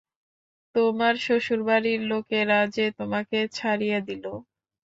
তোমার শ্বশুরবাড়ির লোকেরা যে তোমাকে ছাড়িয়া দিল!